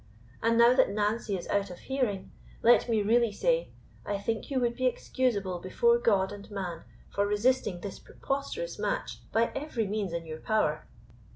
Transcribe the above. And now that Nancy is out of hearing, let me really say, I think you would be excusable before God and man for resisting this preposterous match by every means in your power.